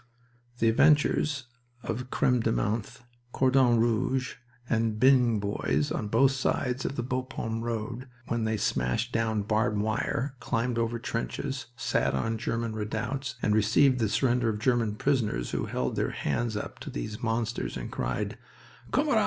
The adventures of Creme de Menthe, Cordon Rouge, and the Byng Boys, on both sides of the Bapaume road, when they smashed down barbed wire, climbed over trenches, sat on German redoubts, and received the surrender of German prisoners who held their hands up to these monsters and cried, "Kamerad!"